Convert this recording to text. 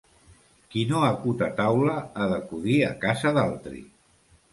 Qui no acut a taula ha d'acudir a casa d'altri.